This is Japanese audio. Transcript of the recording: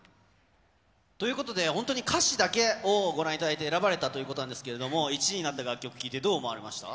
ということで、本当に歌詞だけをご覧いただいて選ばれたということなんですけれども、１位になった楽曲聞いて、どう思われました？